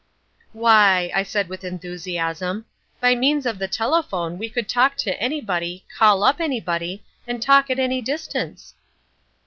"Why," I said with enthusiasm, "by means of the telephone we could talk to anybody, call up anybody, and talk at any distance."